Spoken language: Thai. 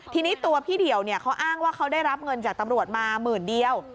ทีนี้ตัวพี่เดี่ยวเขาอ้างว่าเขาได้รับเงินจากตำรวจมาหมื่นเดียว